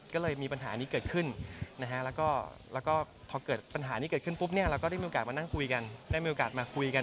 ก็เลยมีปัญหานี้เกิดขึ้นแล้วก็พอเกิดปัญหานี้เกิดขึ้นปุ๊บเราก็ได้มีโอกาสมานั่งคุยกัน